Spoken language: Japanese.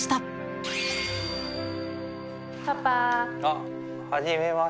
あっ初めまして。